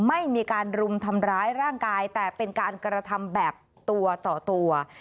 ไม่มีการรุมทำร้ายร่างกายแต่เป็นการกระทำแบบตัวต่อตัว